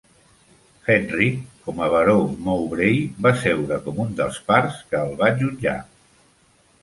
Henry, com a Baró Mowbray, va seure com un dels pars que el va jutjar.